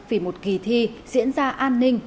vì một kỳ thi diễn ra an ninh